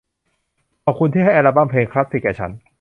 ขอบคุณที่ให้อัลบั้มเพลงคลาสสิคแก่ฉัน